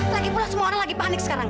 lagipula semua orang lagi panik sekarang